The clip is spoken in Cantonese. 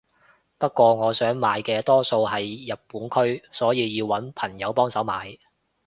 不過我想買嘅多數係日本區所以要搵朋友幫手買